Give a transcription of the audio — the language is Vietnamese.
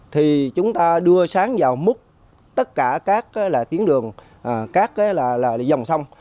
thì chúng ta đưa sáng vào múc tất cả các tiến đường các dòng sông